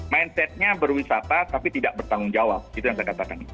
mindsetnya berwisata tapi tidak bertanggung jawab itu yang saya katakan